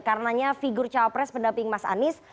karenanya figur cawapres pendamping mas anies